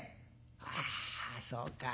「ああそうか。